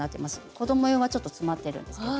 子ども用はちょっとつまってるんですけど。